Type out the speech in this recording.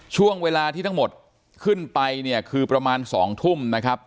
ช่วงเวลาที่ทั้งหมดขึ้นไปเนี่ยคือประมาณ๒ทุ่มนะครับ